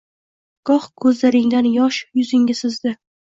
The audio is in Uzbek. Gox kuzlaringdan yosh yuzingga sizdi